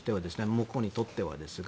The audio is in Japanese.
向こうにとってはですが。